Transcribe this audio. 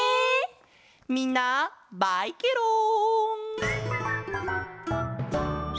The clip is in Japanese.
みんなバイケロン！